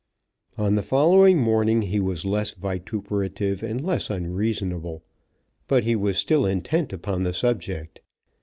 On the following morning he was less vituperative and less unreasonable, but he was still intent upon the subject.